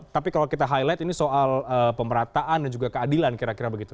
tapi kalau kita highlight ini soal pemerataan dan juga keadilan kira kira begitu